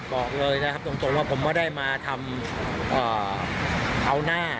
บอกเลยนะครับตรงว่าผมไม่ได้มาทำเอาหน้า